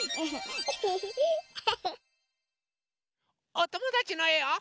おともだちのえを。